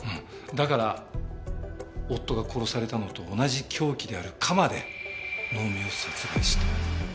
だから夫が殺されたのと同じ凶器である鎌で能見を殺害した。